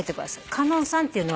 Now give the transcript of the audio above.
観音さんっていうのはね